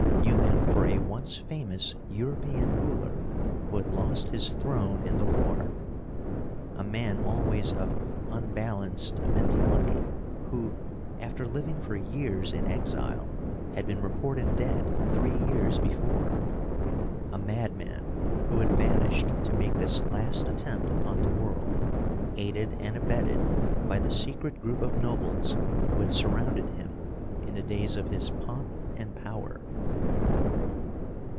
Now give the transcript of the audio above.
Knew him for a once famous European ruler who had lost his throne in the war. A man always of unbalanced mentality, who, after living for years in exile, had been reported dead three years before. A madman who had vanished to make this last attempt upon the world, aided and abetted by the secret group of nobles who had surrounded him in the days of his pomp and power.